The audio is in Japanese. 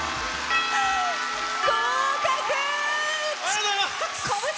合格！